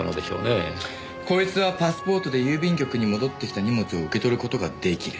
こいつはパスポートで郵便局に戻ってきた荷物を受け取る事が出来る。